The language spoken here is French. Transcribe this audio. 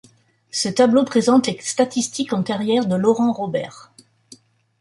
Ce tableau présente les statistiques en carrière de Laurent Robert.